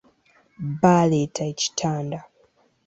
Baleeta ekitanda.